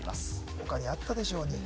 他にあったでしょうに。